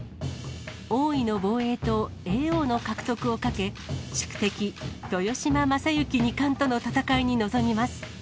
王位の防衛と叡王の獲得をかけ、宿敵、豊島将之二冠との戦いに臨みます。